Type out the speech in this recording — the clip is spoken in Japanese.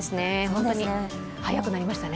本当に早くなりましたね。